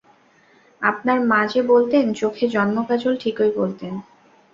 আপনার মা যে বলতেন চোখে জন্মকাজল, ঠিকই বলতেন।